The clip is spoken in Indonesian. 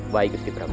baik gusti prabu